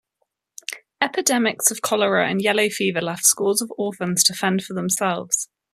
Epidemics of cholera, and yellow fever left scores of orphans to fend for themselves.